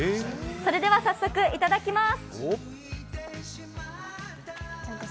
それでは早速、いただきまーす。